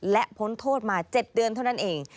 และพ้นโทษมา๗เดือนเท่านั้นเอง